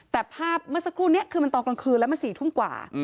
แต่ภาพเมื่อสักครู่นี้คือมันตอนกลางคืนแล้วมัน๔ทุ่มกว่า